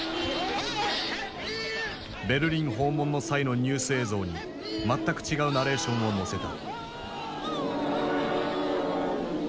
ベルリン訪問の際のニュース映像に全く違うナレーションをのせた。